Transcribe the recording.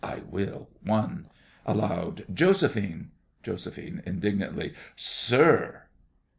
I will—one. (Aloud.) Josephine! JOS. (Indignantly). Sir!